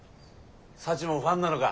サチもファンなのか。